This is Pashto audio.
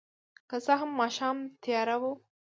که څه هم ماښام تیاره وه.